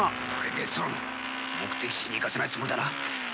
デストロン目的地に行かせないつもりだな。